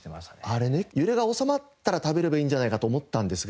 あれね揺れが収まったら食べればいいんじゃないかと思ったんですが。